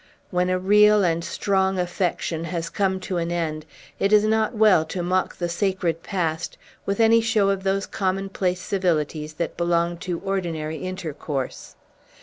When a real and strong affection has come to an end, it is not well to mock the sacred past with any show of those commonplace civilities that belong to ordinary intercourse.